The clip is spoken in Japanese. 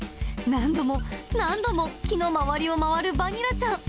何度も何度も、木の周りを回るバニラちゃん。